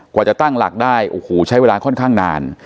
กว่าจะตั้งหลักได้โอ้โหใช้เวลาค่อนข้างนาน